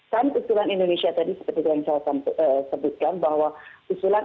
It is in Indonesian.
dan usulan indonesia tadi seperti yang saya sebutkan